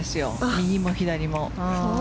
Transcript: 右も左も。